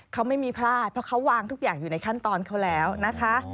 เขาไม่มีพลาดเพราะเขาวางทุกอย่างอยู่ในขั้นตอนเขาแล้วนะคะ